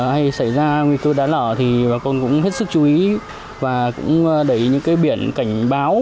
hay xảy ra nguy cơ đá lở thì bà con cũng hết sức chú ý và cũng đẩy những cái biển cảnh báo